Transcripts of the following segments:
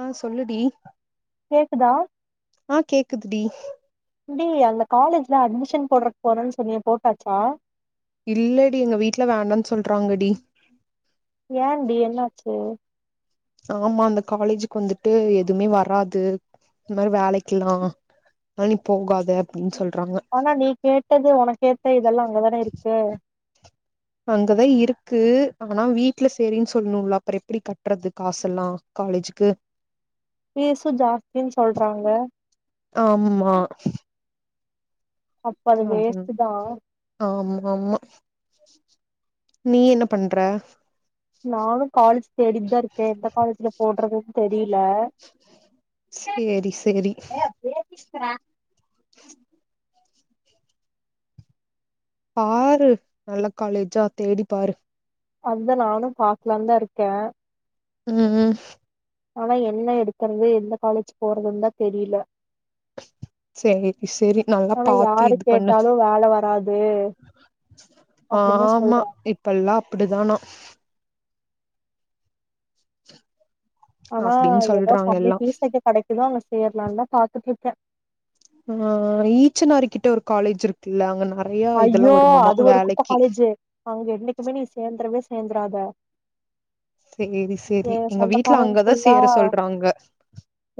ஆ சொல்லுடி கேக்குதா ஆ கேக்குதுடி டி அந்த காலேஜ்ல அட்மிஷன் போடுறக் போறேன் சொன்னியே போட்டாச்சா இல்லடி எங்க வீட்ல வேணான் சொல்றாங்கடி ஏன்டி என்னாச்சு ஆமா அந்த காலேஜ்க்கு வந்துட்டு எதுமே வராது இந் மாரி வேலைக்கெல்லா அ நீ போகாத அப்படின் சொல்றாங்க ஆனா நீ கேட்டது உனக்கேத்த இதெல்லா அங்கதானே இருக்கு அங்கதா இருக்கு ஆனா வீட்ல சேரின் சொல்ணுன்ல அப்பற எப்படி கட்றது காசு எல்லா காலேஜ்க்கு பீஸ்சு ஜாஸ்தின் சொல்றாங்க ஆமா அப்ப அது அதா வேஸ்ட் தா ஆம் ஆமா நீ என்ன பண்ற நானு காலேஜ் தேடிட் தா இருக்கே எந்த காலேஜ்ல போற்றதுன் தெரில்ல சேரி சேரி ஏ பேசிட்ருக்கற பாரு நல்ல காலேஜா தேடிப் பாரு அதா நானும் பாக்கலான் தா இருக்கே ம் ம் ஆனா என்ன எடுக்குறது எந்த காலேஜ் போறதுன் தா தெரில்ல சேரி சேரி நல்லா ஆனா பாத்து யாரு இது பண்ணு கேட்டாலு வேல வராது அப்படின்னு ஆமா சொல்றாங்க இப்பெல்லா அப்படித்தானா ஆனா அப்டின்னு எதோ சொல்றாங்க கம்மி எல்லா ஃபீஸ்க்கு கெடைக்குதோ அங்க சேர்லான் தா பாத்துட்டு இருக்கே ஆ ஈச்சனாரி கிட்ட ஒரு காலேஜ் இருக்குல்ல அங்க நெறைய இதெல்லா ஐயோ வரும்மாமா அது ஒரு குட்ட வேலைக்கி காலேஜு அங்க என்னக்குமே நீ சேந்தரவே சேந்துராதே சேரி சேரி எங்க வீட்ல சொந்தக்காரங்க அங்க தா ஃபுல்லா சேர சொல்றாங்க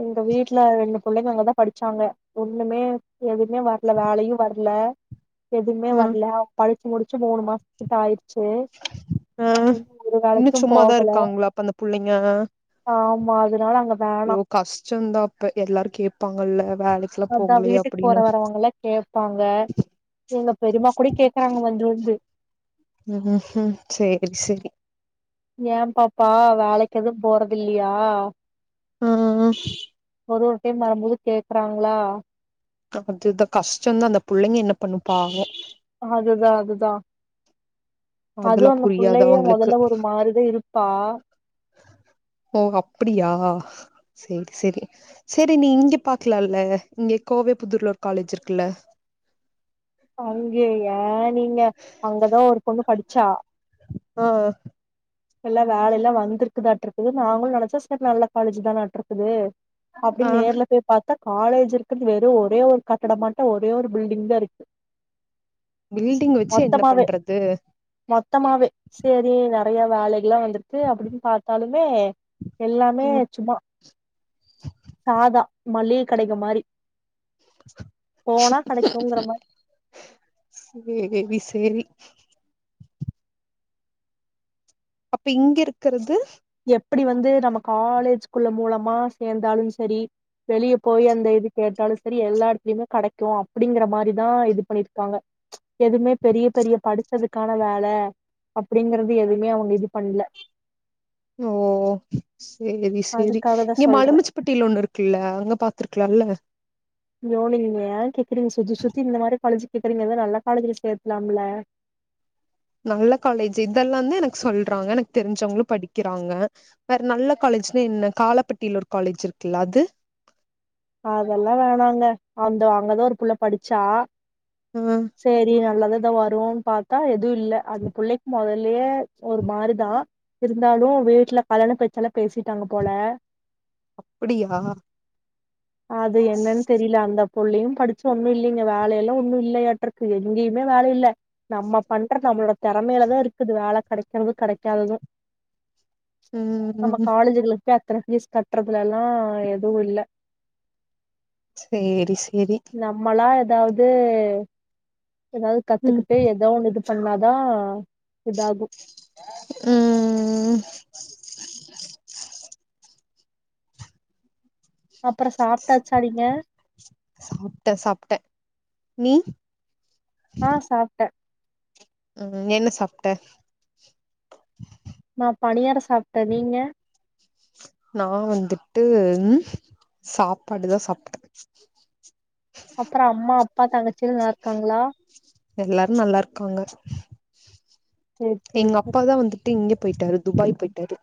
எங்க வீட்ல ரெண்டு புள்ளைங்க அங்கதா படிச்சாங்க ஒண்ணுமே எதுமே வர்ல வேலையு வர்ல எதுமே ம் வர்ல படிச்சு முடிச்சு மூணு மாசத்து கிட்ட ஆயிர்ச்சு ஆ இன்னு ஒரு இன்னு வேலைக்கும் சும்மாதா போகலே இருக்காங்களா அப்ப அந்த புள்ளைங்க ஆமா அதனால அங்க வேணா ஐயோ கஷ்டந்தா அப்ப எல்லாரு கேப்பாங்கல்ல வேலைக் அதா வீட்டுக் போற வரவங்கல்லா கேப்பாங்க எங்க பெரியம்மா கூட கேக்குறாங்க வந்து வந்து ம்ஹு சேரி சேரி ஏம் பாப்பா வேலக்கி எதுவ் போறதில்லையா ம்ம் ஒரொர் டைம் வரும்போது கேக்றாங்ளா அதுதா கஷ்டந்தா அந்த புள்ளைங்க என்ன பண்ணு பாவோ அதுதா அதுதா அதுவு அதெல்லா அந்த புரியாது புள்ளையே அவங்களுக்கு மொதல்ல ஒரு மாரிதா இருப்பா ஓ அப்படியா சேரி சேரி சேரி நீ இங்க பாக்லால்ல இங்க கோவைப் புதூர்ல ஒரு காலேஜ் இருக்கில்ல அங்க ஏ நீங்க அங்க தா ஒரு பொண்ணு படிச்சா ஓ எல்லா வேலல்லா வந்திருக்குதாட்ருக்குது நாங்களு நெனச்சோ சேரி நல்ல காலேஜ் தானாட்ருக்குது ஆ அப்பிடின்னு நேர்ல போய் பாத்தா காலேஜ் இருக்றது வெறு ஒரே ஒரு கட்டடமாட்டொ ஒரே ஒரு பில்டிங் தா ருக் பில்டிங் வச்சு என்ன பண்றது சுத்தமாவே சேரி நெறைய வேலைகள்ல்லா வந்துருக்கு அப்பிடின் பாத்தாலுமே எல்லாமே ம் சும்மா சாதா மளிக கடைக மாரி போனா கெடைக்குங்ற சேரி சேரி அப்ப இங்கருக்குறது எப்படி வந்து நம்ம காலேஜ் குள்ள மூலமா சேந்தாலு சரி வெளியே போய் அந்த இது கேட்டாலு சரி எல்லா எடத்துலயுமே கெடைக்கு அப்படிங்கிற மாரிதா இது பண்ணிட்ருக்காங்க எதுவுமே பெரிய பெரிய படிச்சதுக்கான வேல அப்படிங்கிறது எதுவுமே அவங்க இது பண்ல ஓ சேரி சேரி அதுக்காக தா இங்க சொல்றே மலமச்ச ம்பட்டில ஒண்ணு இருக்குல்ல அங்க பாத்துருக்கலால்ல யோநீங்க ஏ கேக்குறீங்க சுத்தி சுத்தி இந்த மாரி காலேஜ் கேக்குறீங்க எதா நல்ல காலேஜ்ல சேத்லாம்ல நல்ல காலேஜ் இதெல்லா தா எனக்கு சொல்றாங்க எனக்கு தெரிஞ்சவங்களு படிக்கிறாங்க வேற நல்ல காலேஜ்ன்னா என்ன காலப்பட்டியில ஒரு காலேஜ் இருக்குல்ல அது அதெல்லா வேணாங்க அந்த அங்கதா ஒரு புள்ள படிச்சா ம் சரி நல்லாத தா வருன்னு பாத்தா எதுவு இல்ல அந்த புள்ளக்கி முதலயே ஒரு மாரிதா இருந்தாலு வீட்ல கல்யாண பேச்சல்லா பேசிட்டாங்க போல அப்படியா அது என்னன் தெரியல அந்த புள்ளையும் படிச்சு ஒன்னு இல்லேங்க வேலையெல்லா ஒன்னு இல்லையாட்ருக்கு எங்கேயுமே வேல இல்ல நம்ம பண்றது நம்மளோட தெறமையிலதா இருக்குது வேல கெடைக்கிறது கெடைக்காதது நம்ம ம் காலேஜ்களுக்கு அத்தன பீஸ் கட்டுறதுலல்லா எதுவு இல்ல சேரி சேரி நம்மளா ஏதாவது ஏதாவது ம் கத்துக்கிட்டு ஏதோ ஒண்ணு இது சொன்னாதா இதாகு ம்ம் அப்ற சாப்பிட்டாச்சா நீங்க சாப்ட சாப்ட நீ ஆ சாப்ட்டே ம் என்ன சாப்ட்ட நா பனியார சாப்ட்டே நீங்க நா வந்துட்டு சாப்பாடுதா சாப்ட்டே அப்றோ அம்மா அப்பா தங்கச்சில்லா நல்லா இருக்காங்ளா எல்லாரு நல்லா இருக்காங்க சேர் எங்க அப்பாதா வந்துட்டு இங்க போயிட்டாரு துபாய் போயிட்டாரு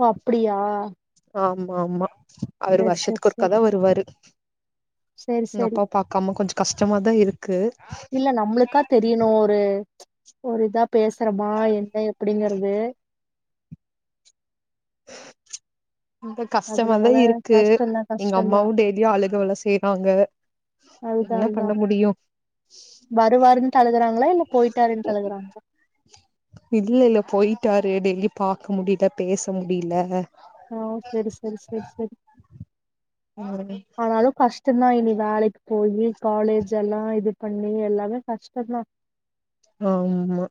ஓ அப்படியா ஆமா ஆமா அவரு சேரி சேரி வருஷத்துக்கு சேரி ஒருக்காதா வருவாரு சேரி எங்க சேரி அப்பா பாக்காம கொஞ்ச கஷ்டமாதா இருக்கு எ நம்மளுக்கா தெரியணு ஒரு ஒரு இதா பேசறமா என்ன எப்டிங்கறது ரொம்ப கஷ்டமாதா அதனால இருக்கு கஷ்டந்தா எங்க கஷ்டந்தா அம்மாவு டெய்லியு அழுகவல்லா செய்யறாங்க அதுதா அதா வருவாருன்ட்டு அழுகுறாங்களா இல்ல போயிட்டாருன்ட்டு அழுகுறாங்களா இல்லல்ல போயிட்டாரு டெய்லி பாக்க முடியல பேச முடியல ஓ செரி செரி செரி செரி [unintelligible] ஆனாலு கஷ்டந்தா இனி வேலைக்கு போயி காலேஜ் எல்லா இது பண்ணி எல்லாமே கஷ்டந்தா ஆமா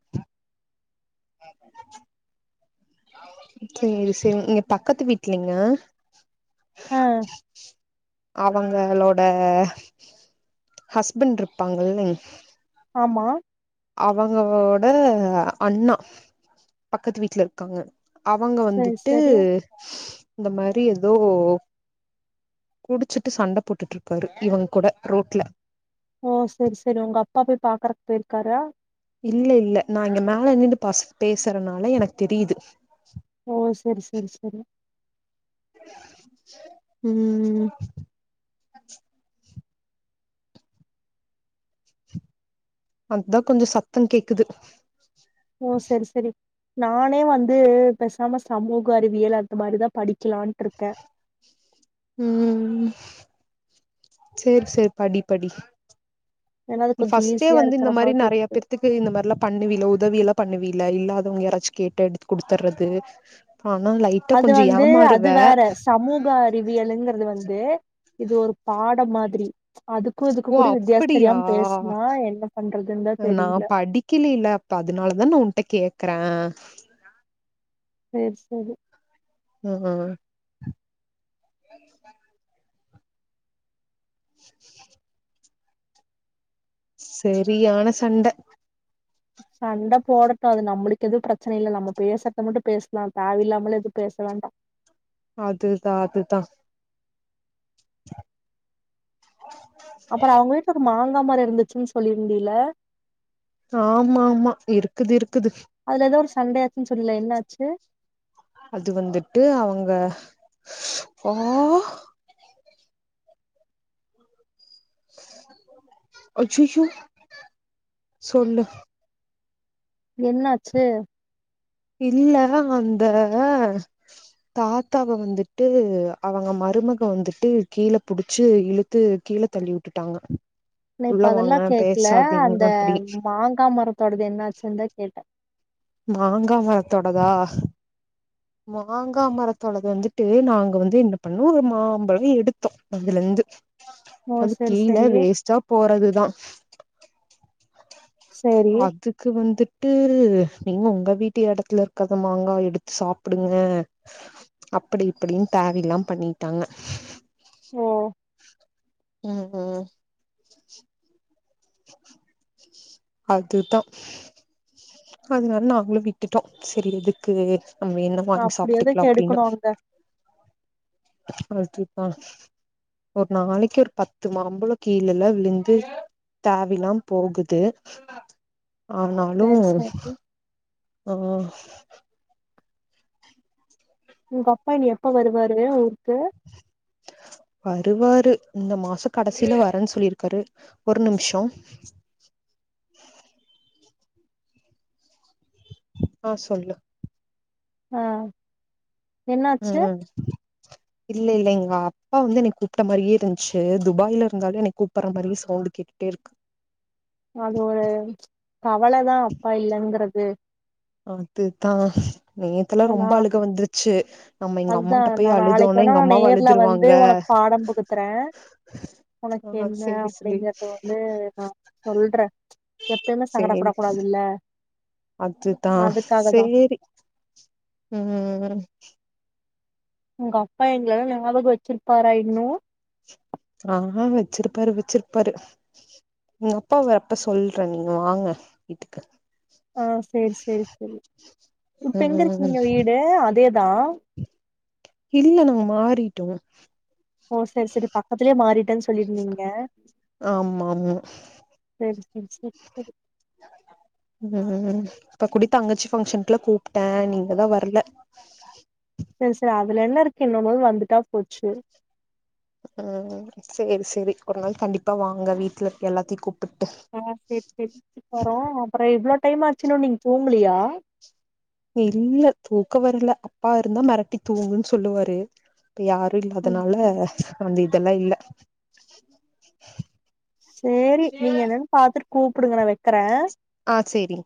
சேரி சேரி இங்க பக்கத்து வீட்லிங்க அ அவுங்களோட ஹஸ்பண்ட் இருப்பாங்கில்லிங் ஆமா அவுங்வோட அண்ணா பக்கத்து வீட்ல இருக்காங்க அவுங்க செரி வந்துட்டு செரி இந்த மாரி எதோ குடிச்சிட்டு சண்ட போட்டுட்ருப்பாரு இவுங் கூட ரோட்ல ஓ செரி செரி உங்க அப்பா போய் பாக்கறக் போய்ருக்காரா இல்ல இல்ல நா இங்க மேல நிண்டு பச பேசறனால எனக்கு தெரியிது ஓ செரி செரி செரி ம் அத் தா கொஞ்ச சத்தங் கேக்குது ஓ செரி செரி நானே வந்து பேசாம சமூக அறிவியல் அந்த மாரிதா படிக்கலான்ட்டு இருக்கே ம் சேர் சேர் படி படி ஏன்னா அது கொஞ்சோ ஃபஸ்ட்டே ஈஸியா வந்து இந்த இருக்கற மாரி மாதிரி நெறைய பேர்த்க் கு இந்த மாரிலா பண்ணுவிலுதவிய எல்லா பண்ணுவில்ல இல்லாதவங்க யாராச்சு கேட்டு எடுத்து குடுத்தறது ஆனா லை அது வந்து அது வேற சமூக அறிவியல்ங்க றது வந்து இது ஒரு பாடம் மாத்ரி அதுக்கு இதுக்கு ஓ கூட வித்தயாஸ் அப்படியா தெரியாம பேஸ்னா என்ன பண்றதுந்தா தெரியில கிலில்ல அப்ப அதுனால தான உன்ட்ட கேக்கறே சேர் சேரி ம் ம் [inaudible] [inaudible] செரியான சண்ட சண்ட போடட்டு அது நம்பளுக் எதுவு ப்ரெச்சன இல்ல நம்ம பேசுற்த மட்டு பேசலா தேவ இல்லாமல எதுவு பேச வேண்டா அதுதா அதுதா [inaudible] அப்பற அவுங்க வீட்டு ஒரு மாங்கா மர இருந்துச்சுன் சொல்லிருந்திலே ஆமா ஆமா இருக்குது இருக்குது அதுல எதோ ஒரு சண்டயாச்சுன் சொன்ல என்ன ஆச்சு அது வந்துட்டு அவங்க ஆ அய்யிய்யோ சொல்லு என்ன ஆச்சு இல்ல அந்த தாத்தாவ வந்துட்டு அவங்க மருமக வந்துட்டு கீழ புடிச்சு இழு த்து கீழ தள்ளி உட்டுட்டாங்க ந இப்ப அதெல்லா கேக்கல அந்த அப்டி மாங்கா மரத்தோடது என்ன ஆச்சுந்தா கேட்டே மாங்கா மரத்தோடதா மாங்கா மரத்தோடது வந்துட்டு நாங்க வந்து என்ன பண்ணோ ஒரு மாம்பழ எடுத்தோ அதுலெந்து ஓ அது சேரி கீழ சேரி வேஸ்ட்டா போறதுதா சேரி அதுக்கு வந்துட் டு நீங்க உங்க வீட்டு எடத்துல இருக்கிறத மாங்கா எடுத்து சாப்புடுங்க அப்படி இப்படின் தேவயில்லாம் பண்ணிட்டாங்க ஓ ம் ம் அதுதா அதனால நாங்களு விட்டுட்டோ செரி எதுக்கு அப்டினு அப்படி எதுக் எடுக்கணு அவ்ங்குள்த [unintelligible] ஒரு நாளைக்கு ஒரு பத்து மாம்பழோ கீழெல்லா விழுந்து தேவில்லாம் போகுது ஆனாலு சரி சரி அ உங்கப்பா இனி எப்ப வருவாரு ஊருக்கு வருவாரு இந்த மாச கடசில வரேன சொல்லிர்க்காரு ஒரு நிம்ஷோ ஆ சொல்லு அ ம் ம் இல்ல இல்ல எங்க அப்பா வந்து என்னை கூப்ட்ட மாரியே இருந்ச்சு துபாய்ல இருந்தாலு என்னை கூப்பட்ற மாரியே சவுண்டு கேட்டுட்டே இருக்கு அது கவலதா அப்பா இல்லங்கறது அதுதா நேத்தெல்லா ரொம்ப அழுக வந்துருச்சு நம்ம எங்க அம்மாட்ட அதான் போய் நான் நாளைக்கு அழுதோனா வேனா எங்க நான் அம்மாவு நேர்ல வந்து அழுதுருவாங்க உனக்கு பாடம் புகுத்துறேன் உனக்கு ஆ என்ன சேரி சேரி அப்டிங்கறத வந்து நான் சொல்றன் எப்பயுமே சங்கட படக் கூடாது இல்ல அதுதான் சேரி ம் உங்க அப்பா எங்கலல்லா ஞாபகம் வச்சிருப்பாரா இன்னு நல்லா வெச்சிருப்பாரு வெச்சிருப்பாரு உங்க அப்பா வர்ட்டு சொல்றன் நீங்க வாங்க வீட்டுக்கு ஆ சேரி சேரி சேரி இப்ப எங்க ம் இருக்கிங்க வீடு அதேதான் இல்ல நாங்க மாறிட்டோம் ஓ சேரி சேரி பக்கத்துலயே மாறிட்டேன் சொல்லிருந்தீங்க ஆமா ஆமா சேரி சேரி சேரி ம் இப்ப கூடி தங்கச்சி பங்க்ஷன்க்லா கூப்ட்டேன் நீங்க தான் வர்ல சேரி சேரி அதுல என்ன இருக்கு இன்னொர் நாள் வந்துட்டா போச்சு ம் சேரி சேரி ஒரு நாள் கண்டிப்பா வாங்க வீட்ல எல்லாத்தையு கூப்டுகிட்டு ஆ சேரி சேரி அப்பறோம் அப்பறோம் இவ்ளோ டைம் ஆச் இன்னு நீங்க் தூங்கலியா இல்ல தூக்கோ வர்ல அப்பா இருந்தா மெரட்டி தூங்குங்கன் சொல்லுவாரு யாரு இல்லாதனால அந்த இதெல்லா இல்ல சேரி நீங்க என்னன் பாத்துட்டு கூப்புடுங்க நா வெக்கறன் ஆ சேரி